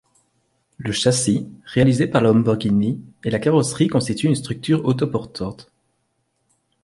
Le châssis, réalisé par Lamborghini, et la carrosserie constituent une structure autoportante.